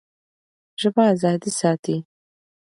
ژبه ازادي ساتي.